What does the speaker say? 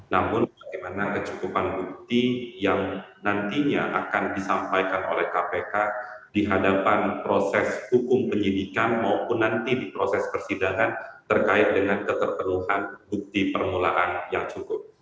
namun bagaimana kecukupan bukti yang nantinya akan disampaikan oleh kpk di hadapan proses hukum penyidikan maupun nanti di proses persidangan terkait dengan keterpenuhan bukti permulaan yang cukup